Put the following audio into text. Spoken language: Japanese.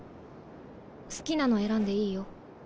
好きなの選んでいいよ。